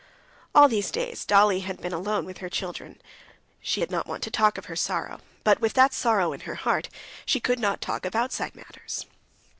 All these days Dolly had been alone with her children. She did not want to talk of her sorrow, but with that sorrow in her heart she could not talk of outside matters.